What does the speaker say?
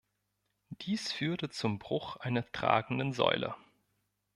Dies führte zum Bruch einer tragenden Säule.